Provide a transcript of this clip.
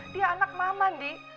dia anak mama di